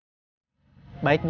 kok beli mainannya banyak banget bu